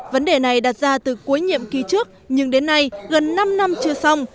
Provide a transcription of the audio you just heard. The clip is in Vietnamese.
vấn đề này đặt ra từ cuối nhiệm kỳ trước nhưng đến nay gần năm năm chưa xong